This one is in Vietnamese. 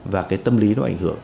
và cái tâm lý nó ảnh hưởng